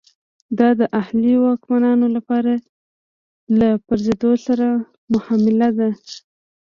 دا د الهي واکمنانو له پرځېدو سره هممهاله ده.